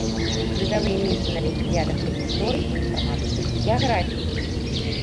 Прызавыя месцы на алімпіядах па гісторыі, інфарматыцы, геаграфіі!